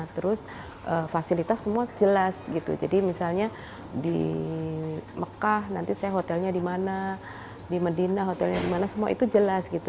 terus fasilitas semua jelas gitu jadi misalnya di mekah nanti saya hotelnya di mana di medina hotelnya di mana semua itu jelas gitu